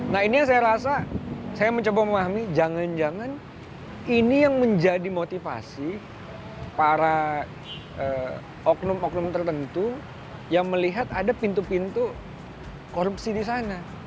nah ini yang saya rasa saya mencoba memahami jangan jangan ini yang menjadi motivasi para oknum oknum tertentu yang melihat ada pintu pintu korupsi di sana